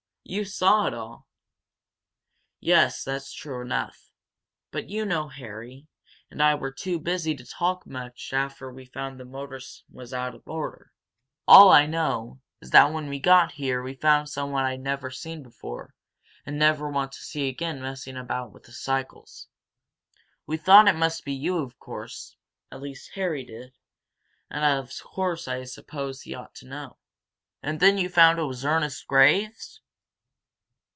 You saw it all!" "Yes, that's true enough. But you know Harry and I were too busy to talk much after we found that motor was out of order. All I know is that when we got here we found someone I'd never seen before and never want to see again messing about with the cycles. We thought it must be you, of course at least Harry did, and of course I supposed he ought to know." "And then you found it was Ernest Graves?"